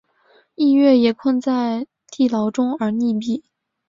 逸悦也困在地牢中而溺毙。